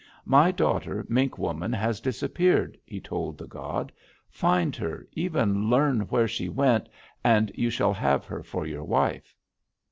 'My daughter, Mink Woman, has disappeared,' he told the god. 'Find her, even learn where she went, and you shall have her for your wife.'